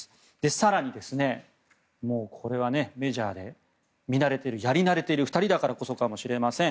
更に、もうこれはメジャーで見慣れているやり慣れている２人だからこそかもしれません。